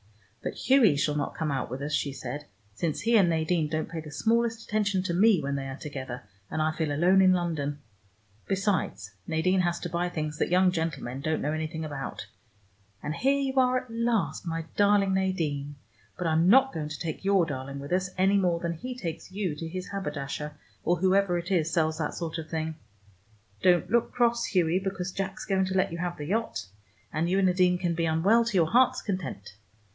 "But Hughie shall not come out with us," she said, "since he and Nadine don't pay the smallest attention to me, when they are together, and I feel alone in London. Besides, Nadine has to buy things that young gentlemen don't know anything about and here you are at last, my darling Nadine, but I'm not going to take your darling with us, any more than he takes you to his haberdasher, or whoever it is sells that sort of thing. Don't look cross, Hughie, because Jack's going to let you have the yacht, and you and Nadine can be unwell to your heart's content.